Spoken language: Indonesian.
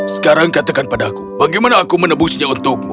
sekarang katakan padaku bagaimana aku bisa menembusnya untukmu